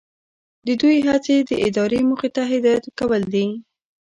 د دوی هڅې د ادارې موخې ته هدایت کول دي.